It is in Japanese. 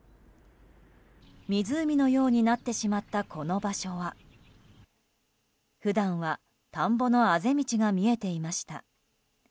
湖のようになってしまったこの場所は普段は、田んぼのあぜ道が見えていました。